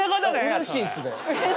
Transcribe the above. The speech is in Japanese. うれしいんすね。